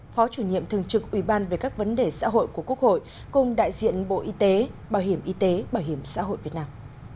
phó chủ nhiệm thường trực ủy ban về các vấn đề xã hội của quốc hội cùng đại diện bộ y tế bảo hiểm y tế bảo hiểm xã hội việt nam